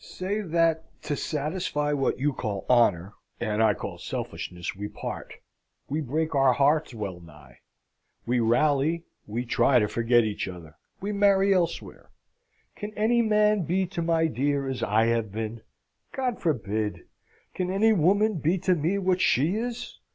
Say that to satisfy what you call honour and I call selfishness, we part, we break our hearts well nigh, we rally, we try to forget each other, we marry elsewhere? Can any man be to my dear as I have been? God forbid! Can any woman be to me what she is?